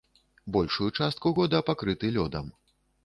Большую частку года пакрыты лёдам.